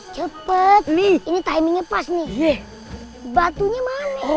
cepet ini timingnya pas nih batunya